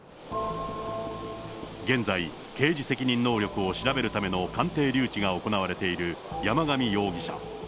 現在、刑事責任能力を調べるための鑑定留置が行われている山上容疑者。